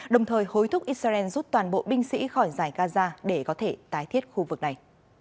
đồng thời hối thúc israel rút toàn bộ binh sĩ khỏi giải gaza để có thể tái thiết khu vực này